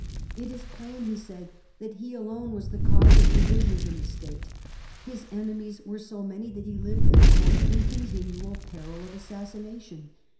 It was plain, he said, that he alone was the cause of divisions in the State. His enemies were so many that he lived at Court in continual peril of assassination.